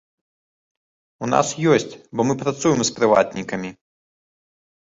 У нас ёсць, бо мы працуем з прыватнікамі.